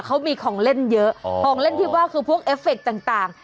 เขามีของเล่นเยอะของเล่นที่ว่าคือพวกเอฟเฟคต่าง